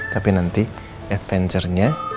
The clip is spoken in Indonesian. tapi nanti adventure nya